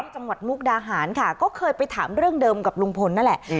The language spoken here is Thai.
จังหวัดมุกดาหารค่ะก็เคยไปถามเรื่องเดิมกับลุงพลนั่นแหละ